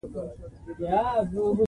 ښارونه د افغانستان د صادراتو برخه ده.